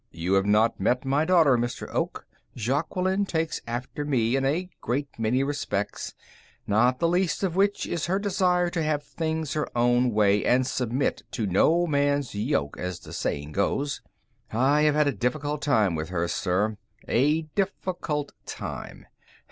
"You have not met my daughter, Mr. Oak. Jaqueline takes after me in a great many respects, not the least of which is her desire to have things her own way and submit to no man's yoke, as the saying goes. I have had a difficult time with her, sir; a difficult time.